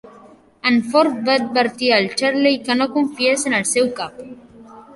En Fort va advertir en Charley que no confiés en el seu cap.